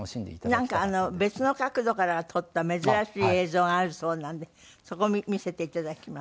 なんか別の角度から撮った珍しい映像があるそうなんでそこ見せていただきます。